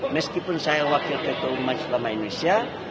meskipun saya wakil ketua majelis ulama indonesia